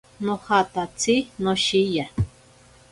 Nojatatsi noshiya.